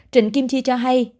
trịnh kim chi cho hay